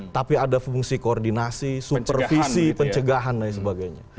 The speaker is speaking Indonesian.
tapi ada fungsi koordinasi supervisi pencegahan dan sebagainya